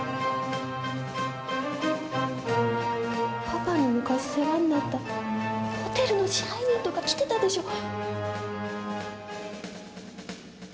パパに昔世話になったホテルの支配人とか来てたでしょ！